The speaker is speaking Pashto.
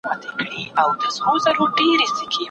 پیاوړی ذهنیت د ژر ناکامۍ مخه نیسي.